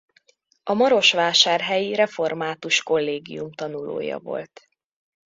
A marosvásárhelyi református kollégium tanulója volt.